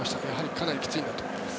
かなりきついんだと思います。